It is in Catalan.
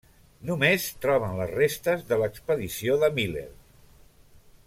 Només troben les restes de l'expedició de Miller.